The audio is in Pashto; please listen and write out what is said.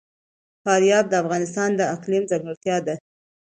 فاریاب د افغانستان د اقلیم ځانګړتیا ده.